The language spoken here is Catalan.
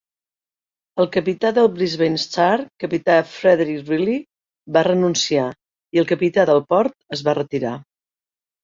El capità del "Brisbane Star", Capità Frederick Riley, va renunciar, i el capità del port es va retirar.